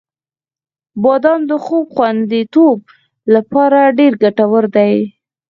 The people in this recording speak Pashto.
• بادام د خوب خوندیتوب لپاره ډېر ګټور دی.